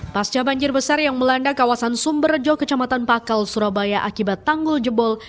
pasca banjir besar yang melanda kawasan sumberjo kecamatan pakal surabaya akibat tanggul jebol